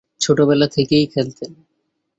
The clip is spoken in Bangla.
ছোটবেলা থেকেই খেলতেন?